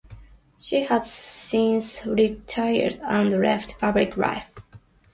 She has since retired and left public life.